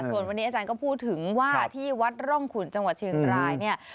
ส่วนวันนี้อาจารย์ก็พูดถึงว่าที่วัดร่องขุนจังหวัดเชียงรายเนี่ย